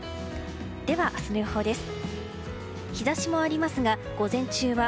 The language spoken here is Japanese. では、明日の予報です。